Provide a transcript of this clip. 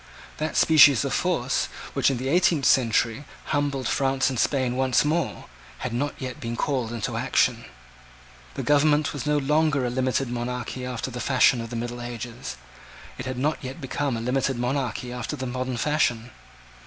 That species of force, which, in the eighteenth century, humbled France and Spain once more, had not yet been called into action. The government was no longer a limited monarchy after the fashion of the middle ages. It had not yet become a limited monarchy after the modern fashion.